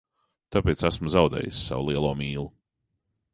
Tāpēc esmu zaudējis savu lielo mīlu.